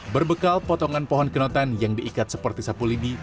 berbekal potongan pohon kenotan yang diikat seperti sapu lidi